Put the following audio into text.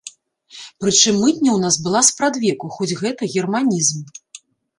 Прычым мытня ў нас была спрадвеку, хоць гэта германізм.